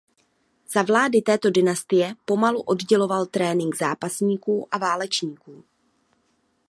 Za vlády této dynastie pomalu odděloval trénink zápasníků a válečníků.